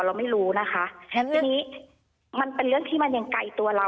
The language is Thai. เราไม่รู้นะคะทีนี้มันเป็นเรื่องที่มันยังไกลตัวเรา